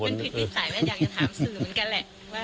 มันผิดวิสัยว่าอยากจะถามสื่อเหมือนกันแหละ